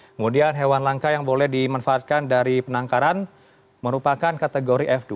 kemudian hewan langka yang boleh dimanfaatkan dari penangkaran merupakan kategori f dua